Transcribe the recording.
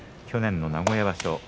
去年の名古屋場所